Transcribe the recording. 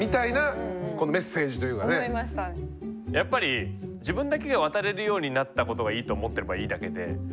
やっぱり自分だけが渡れるようになったことがいいと思っていればいいだけで。